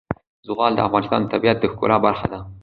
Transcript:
زغال د افغانستان د طبیعت د ښکلا برخه ده.